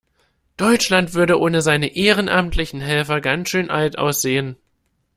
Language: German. Deutschland würde ohne seine ehrenamtlichen Helfer ganz schön alt aussehen.